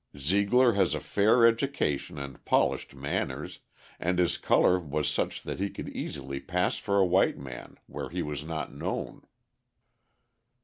Zeigler has a fair education and polished manners, and his colour was such that he could easily pass for a white man where he was not known.